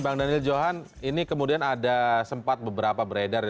bang daniel johan ini kemudian ada sempat beberapa beredar